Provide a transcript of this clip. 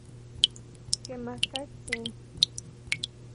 Kemakatsin.